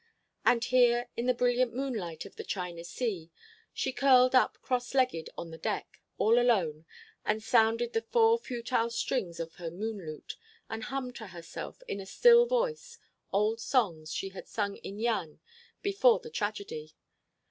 And here, in the brilliant moonlight of the China Sea, she curled up cross legged on the deck, all alone, and sounded the four futile strings of her moon lute, and hummed to herself, in a still voice, old songs she had sung in Yian before the tragedy.